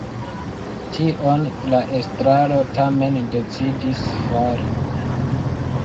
Tion la estraro tamen decidis fari.